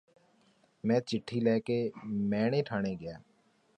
ਮੈਂ ਚਿੱਠੀ ਲੈ ਕੇ ਮਹਿਣੇ ਠਾਣੇ ਗਿਆ